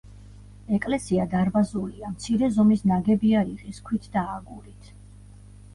ეკლესია დარბაზულია, მცირე ზომის ნაგებია რიყის ქვით და აგურით.